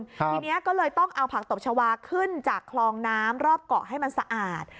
ทีนี้ก็เลยต้องเอาผักตบชาวาขึ้นจากคลองน้ำรอบเกาะให้มันสะอาด